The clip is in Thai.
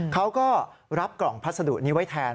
เขาก็รับกล่องพัสดุนี้ไว้แทน